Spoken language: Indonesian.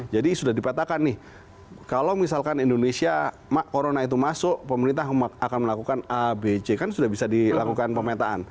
jadi sudah dipetakan nih kalau misalkan indonesia corona itu masuk pemerintah akan melakukan abc kan sudah bisa dilakukan pemetaan